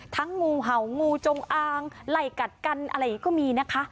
งูเห่างูจงอางไหล่กัดกันอะไรอย่างนี้ก็มีนะคะ